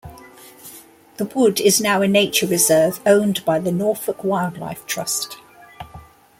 The wood is now a nature reserve owned by the Norfolk Wildlife Trust.